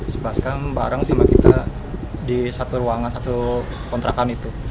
sebelah sekarang bareng sama kita di satu ruangan satu kontrakan itu